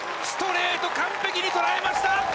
ストレート完璧に捉えました。